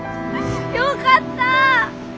よかった！